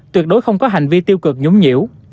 tuyệt đối không có hành vi tiêu cực nhũng nhiễu